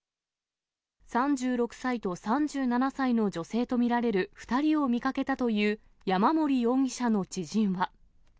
３６歳と３７歳の女性と見られる２人を見かけたという山森容疑者の知人は。